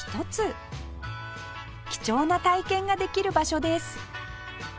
貴重な体験ができる場所です